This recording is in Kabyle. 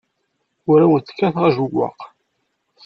Ur awent-kkateɣ ajewwaq.